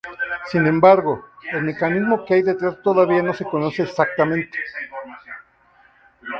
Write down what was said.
Sin embargo, el mecanismo que hay detrás todavía no se conoce exactamente.